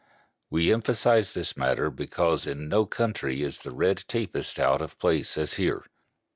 We emphasize this matter because in no country is the red tapist so out of place as here.